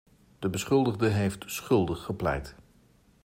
De beschuldigde heeft schuldig gepleit.